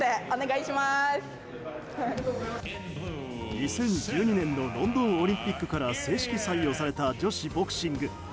２０１２年のロンドンオリンピックから正式採用された女子ボクシング。